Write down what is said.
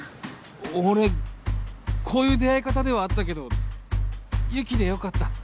俺こういう出会い方ではあったけど雪でよかった。